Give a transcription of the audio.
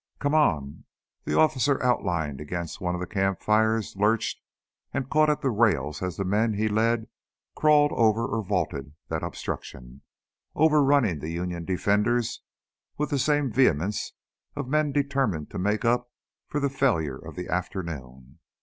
"Come on!" The officer outlined against one of the campfires, lurched and caught at the rails as the men he led crawled over or vaulted that obstruction, overrunning the Union defenders with the vehemence of men determined to make up for the failure of the afternoon.